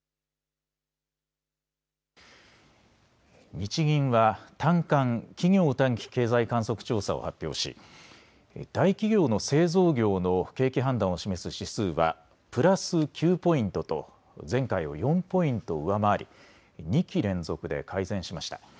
日銀は短観・企業短期経済観測調査を発表し大企業の製造業の景気判断を示す指数はプラス９ポイントと前回を４ポイント上回り２期連続で改善しました。